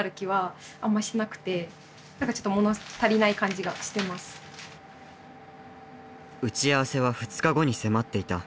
その出来は。打ち合わせは２日後に迫っていた。